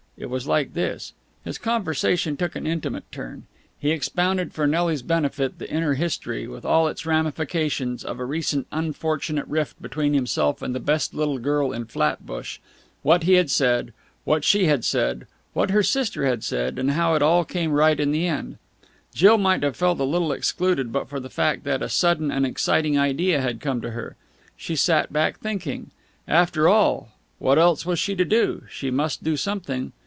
It was like this...." His conversation took an intimate turn. He expounded for Nelly's benefit the inner history, with all its ramifications, of a recent unfortunate rift between himself and "the best little girl in Flatbush" what he had said, what she had said, what her sister had said, and how it all came right in the end. Jill might have felt a little excluded, but for the fact that a sudden and exciting idea had come to her. She sat back, thinking.... After all, what else was she to do? She must do something....